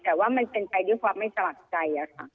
แต่ว่ามันเป็นไปด้วยความไม่สมัครใจค่ะ